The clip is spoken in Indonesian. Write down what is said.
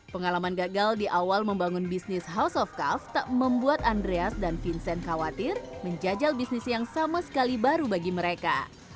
pengalaman gagal di awal membangun bisnis house of cuff tak membuat andreas dan vincent khawatir menjajal bisnis yang sama sekali baru bagi mereka